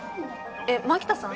えっ？槙田さん？